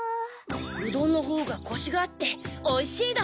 うどんのほうがコシがあっておいしいどん。